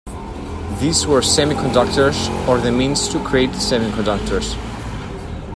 These were semi-conductors or the means to create semiconductors.